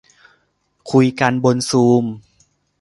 คุยกันบนซูม